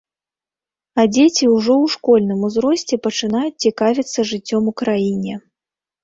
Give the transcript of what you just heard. А дзеці ўжо ў школьным узросце пачынаюць цікавіцца жыццём у краіне.